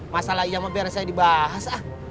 masalah iya sama beres aja dibahas